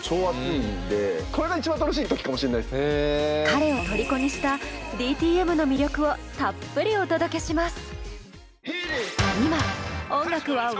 彼をとりこにしたＤＴＭの魅力をたっぷりお届けします。